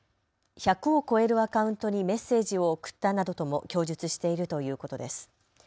１００を超えるアカウントにメッセージを送ったなどとも供述しているということです。